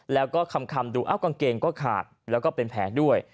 แล้วก็คำดูกางเกงก็ขาดแล้วก็เป็นแผลด้วย